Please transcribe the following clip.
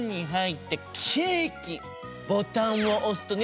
ボタンをおすとね